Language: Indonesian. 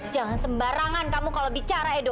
jangan sembarangan kamu kalau bicara edo